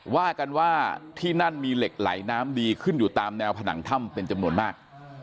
ว่ากันว่าที่นั่นมีเหล็กไหลน้ำดีขึ้นอยู่ตามแนวผนังถ้ำเป็นจำนวนมาก